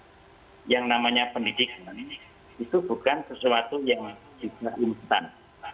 sahabat pemerintah yang namanya pendidikan itu bukan sesuatu yang bisa instan